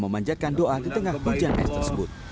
memanjatkan doa di tengah hujan es tersebut